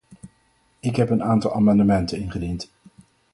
Ik heb een aantal amendementen ingediend.